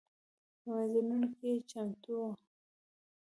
په مینځونو کې یې چمنونه و.